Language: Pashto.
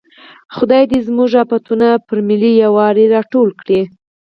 خدای زموږ افتونه پر ملي یوالي راټول کړي.